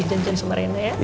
dan janji sama rena ya